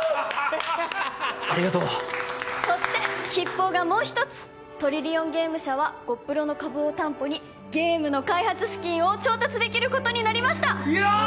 ありがとうそして吉報がもう一つトリリオンゲーム社はゴップロの株を担保にゲームの開発資金を調達できることになりました・やー！